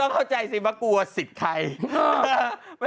เข้าใจสิว่ากลัวสิทธิ์ใคร